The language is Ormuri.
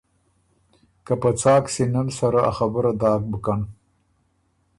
که په څاک سینۀ ن سره ا خبُره داک بُکن۔